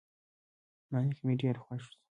نايک مې ډېر خوښ سو.